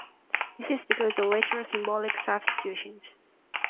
This is because of literal symbolic substitutions.